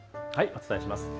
お伝えします。